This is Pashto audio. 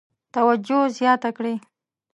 توجه زیاته کړي.